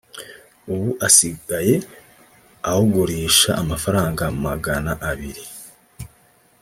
ubu asigaye awugurisha amafaranga magana abiri